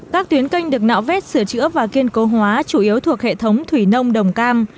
các tuyến kênh được nạo vét sửa chữa và kiên cố hóa chủ yếu thuộc hệ thống thủy nông đồng cam